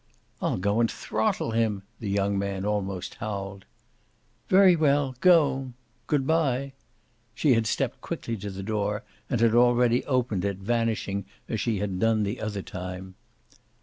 "I'll go and throttle him!" the young man almost howled. "Very well, go! Good bye." She had stepped quickly to the door and had already opened it, vanishing as she had done the other time.